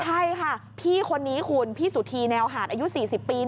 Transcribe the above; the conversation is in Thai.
ใช่ค่ะพี่คนนี้คุณพี่สุธีแนวหาดอายุ๔๐ปี